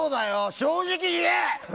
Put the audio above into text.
正直に言え！